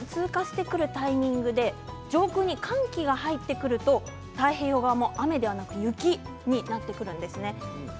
この低気圧が通過してくるタイミングで上空に寒気が入ってくると太平洋側も雨ではなく雪になってくるんですね。